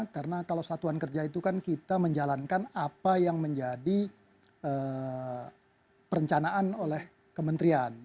karena kalau satuan kerja itu kan kita menjalankan apa yang menjadi perencanaan oleh kementerian